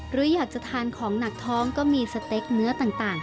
หรืออยากจะทานของหนักท้องก็มีสเต็กเนื้อต่าง